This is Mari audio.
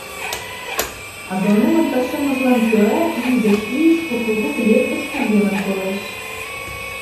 Агрономын тыршымыжлан кӧра ий гыч ийыш кукуруз лектыш кугемын толеш.